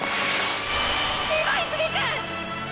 今泉くん！！